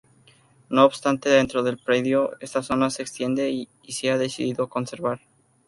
No obstante, dentro del predio esta zona se extiende y se ha decidido conservar.